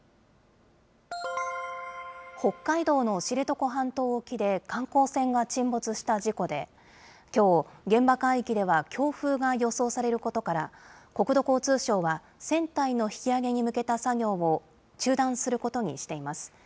北海道の知床半島沖で観光船が沈没した事故で、きょう、現場海域では強風が予想されることから、国土交通省は、船体の引き揚げに向けた作業を中断することにしています。